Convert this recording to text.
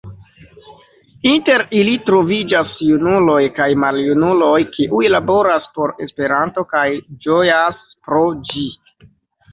Inter ili troviĝas junuloj kaj maljunuloj, kiuj laboras por Esperanto kaj ĝojas pro ĝi.